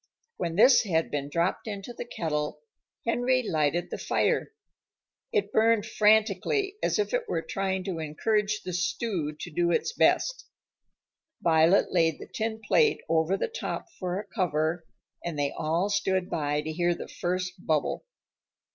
When this had been dropped into the kettle, Henry lighted the fire. It burned frantically, as if it were trying to encourage the stew to do its best. Violet laid the tin plate over the top for a cover, and they all stood by to hear the first bubble.